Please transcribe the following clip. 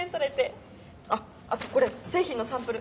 あっあとこれ製品のサンプル。